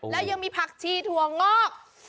แล้วยังมีผักชีถั่วงอก